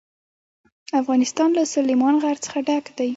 افغانستان له سلیمان غر څخه ډک دی.